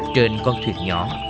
trên con thuyền nhỏ